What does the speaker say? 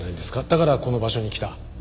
だからこの場所に来た。